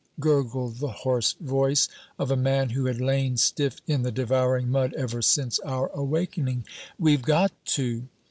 gurgled the hoarse voice of a man who had lain stiff in the devouring mud ever since our awakening; "we've got to!"